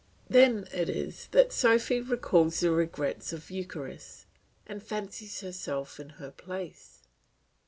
Then it is that Sophy recalls the regrets of Eucharis, and fancies herself in her place.